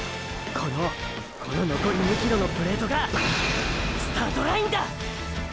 こののこり２ｋｍのプレートがスタートラインだ！！